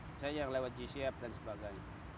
misalnya yang lewat gcf dan sebagainya